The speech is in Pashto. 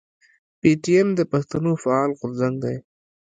پي ټي ايم د پښتنو فعال غورځنګ دی.